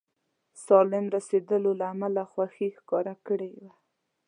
سالم رسېدلو له امله خوښي ښکاره کړې وه.